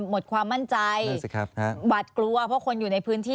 หมดความมั่นใจหวัดกลัวเพราะคนอยู่ในพื้นที่